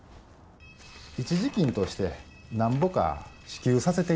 一時金としてなんぼか支給させていただきたい。